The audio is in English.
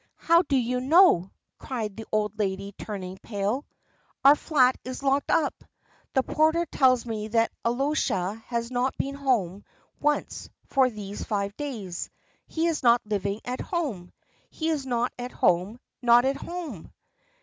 "How do you know?" cried the old lady, turning pale. "Our flat is locked up. The porter tells me that Alyosha has not been home once for these five days. He is not living at home! He is not at home, not at home!"